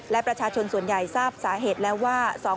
และประชาชนส่วนใหญ่ทราบสาเหตุแล้วว่า